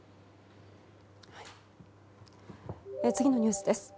次のニュースです。